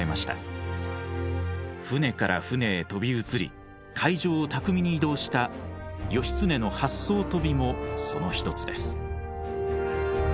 舟から舟へ飛び移り海上を巧みに移動した義経の八艘飛びもその一つです。